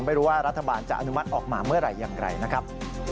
ไม่รู้ว่ารัฐบาลจะอนุมัติออกมาเมื่อไหร่อย่างไรนะครับ